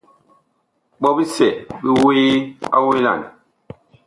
Ɓɔ bisɛ bi wuee a welan.